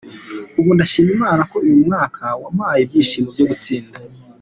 Ubu ndashima Imana ko uyu mwaka yampaye ibyishimo byo gutsinda.